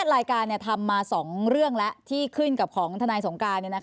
รายการทำมา๒เรื่องแล้วที่ขึ้นกับของทนายสงการ